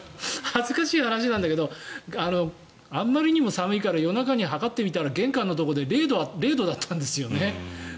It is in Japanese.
恥ずかしい話なんだけどあまりにも寒いから夜中に測ってみたら玄関のところで０度だったんですね。